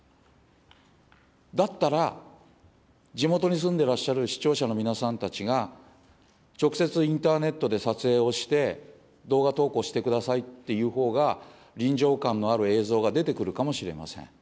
だったら、地元に住んでらっしゃる視聴者の皆さんたちが、直接インターネットで撮影をして、動画投稿してくださいっていうほうが、臨場感のある映像が出てくるかもしれません。